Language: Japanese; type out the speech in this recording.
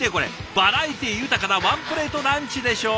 バラエティー豊かなワンプレートランチでしょう？